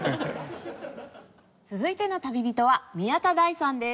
続いての旅人は宮田大さんです。